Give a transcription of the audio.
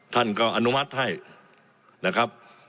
ท่านก็อนุมัติให้นะครับ